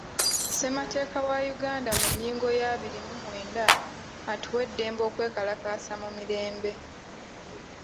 Ssemateeka wa Uganda mu nnyingo ya abiri mu mwenda atuwa eddembe okwekalakaasa mu mirembe.